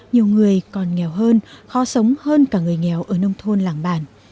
nhiều người còn nghèo hơn khó sống hơn cả người nghèo ở nông thôn làng bản